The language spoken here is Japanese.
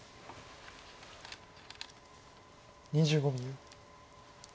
２５秒。